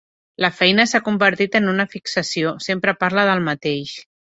La feina s'ha convertit en una fixació: sempre parla del mateix.